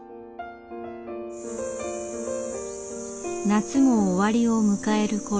夏も終わりを迎える頃。